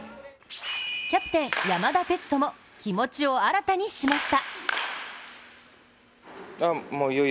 キャプテン・山田哲人も気持ちを新たにしました。